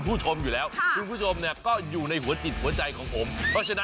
ถ้าไม่ทำงานมา